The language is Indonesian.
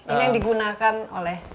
ini yang digunakan oleh